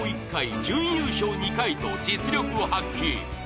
１回・準優勝２回と実力を発揮。